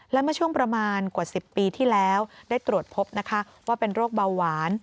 และเมื่อช่วงประมาณกว่า๑๐ปีที่แล้วได้ตรวจพบนะคะว่าเป็นโรคเบาหวาน